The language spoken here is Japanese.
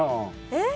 えっ？